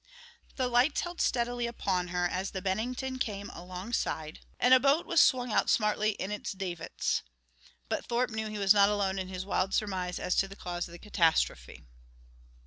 The lights held steadily upon her as the Bennington came alongside and a boat was swung out smartly in its davits. But Thorpe knew he was not alone in his wild surmise as to the cause of the catastrophe.